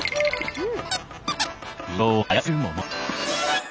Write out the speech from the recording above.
うん。